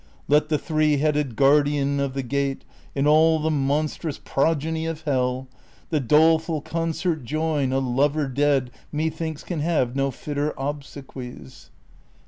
Let the three headed guardian of the gate. And all the monstrous progeny of hell, The doleful concert join : a lover dead Methinks can have no fitter obsequies.